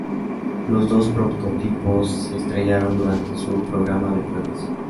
Los dos prototipos se estrellaron durante su programa de pruebas.